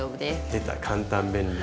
出た簡単便利。